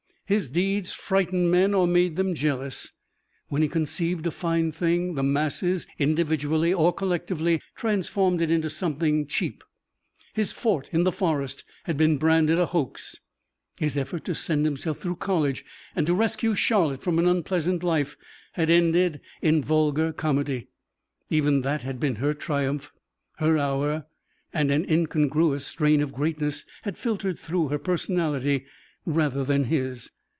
His deeds frightened men or made them jealous. When he conceived a fine thing, the masses, individually or collectively, transformed it into something cheap. His fort in the forest had been branded a hoax. His effort to send himself through college and to rescue Charlotte from an unpleasant life had ended in vulgar comedy. Even that had been her triumph, her hour, and an incongruous strain of greatness had filtered through her personality rather than his.